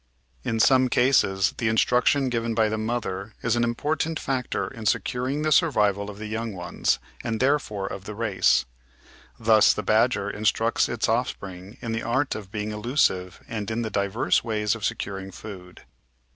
In some cases the instruction given by the mother is an im portant factor in securing the survival of the young ones, and therefore of the race. Thus the Badger instructs its offspring in the art of being elusive and in the diverse ways of securing food.